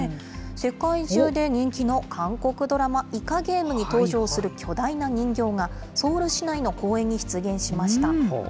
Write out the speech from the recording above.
世界中で人気の韓国ドラマ、イカゲームに登場する巨大な人形が、ソウル市内の公園に出現しました。